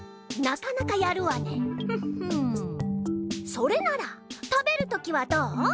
それなら食べるときはどう？